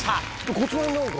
こちらに何か。